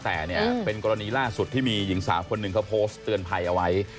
แต่เนี่ยเป็นกรณีล่าสุดที่มีหญิงสาวคนหนึ่งเขาโพสต์เตือนภัยเอาไว้